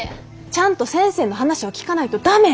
ちゃんと先生の話を聞かないと駄目。